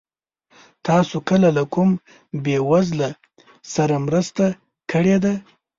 تاسو کله له کوم بېوزله سره مرسته کړې ده؟